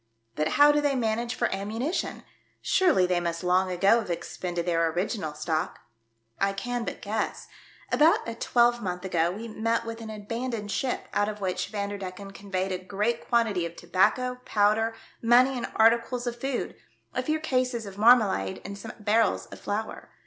But how do they manage for ammunition ? Surely they must long ago have expended their original ^tock ?"" I can but guess. About a twelvemonth ago we met with an abandoned ship, out of which Vanderdecken conveyed a great quantity of tobacco, powder, money and articles of food, a few cases of marmalade and some barrels of flour.